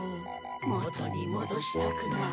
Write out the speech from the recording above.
元にもどしたくなる。